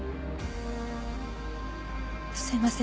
すいません